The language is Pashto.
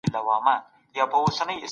ظلم کرکه زېږوي.